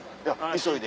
急いで。